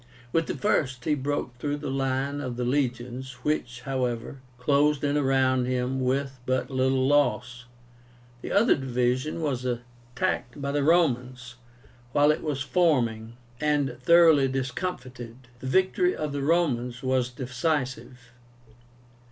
With the first he broke through the line of the legions, which, however, closed in around him with but little loss. The other division was attacked by the Romans, while it was forming, and thoroughly discomfited. The victory of the Romans was decisive.